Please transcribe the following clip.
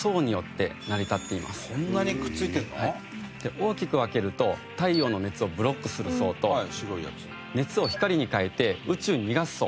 大きく分けると太陽の熱をブロックする層と熱を光に変えて宇宙に逃がす層。